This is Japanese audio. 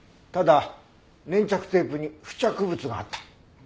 ただ粘着テープに付着物があった。